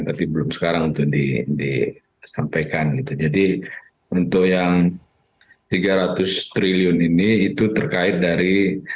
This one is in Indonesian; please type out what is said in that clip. tapi belum sekarang untuk disampaikan gitu jadi untuk yang tiga ratus triliun ini itu terkait dari